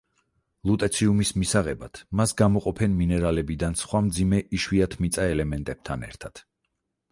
ლუტეციუმის მისაღებად მას გამოყოფენ მინერალებიდან სხვა მძიმე იშვიათმიწა ელემენტებთან ერთად.